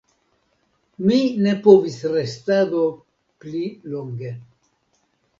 Mi ne povis restadi pli longe.